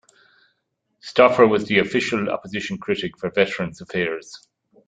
Stoffer was the Official Opposition Critic for Veterans' Affairs.